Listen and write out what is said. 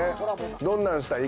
どんなんしたい？